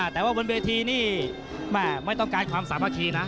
แต่ว่าบนเวทีนี่แม่ไม่ต้องการความสามัคคีนะ